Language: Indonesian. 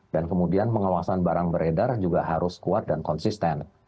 dan kemudian pengeluasan barang beredar juga harus kuat dan konsisten